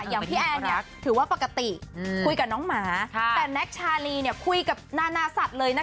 อย่างพี่แอนเนี่ยถือว่าปกติคุยกับน้องหมาแต่แน็กชาลีเนี่ยคุยกับนานาสัตว์เลยนะ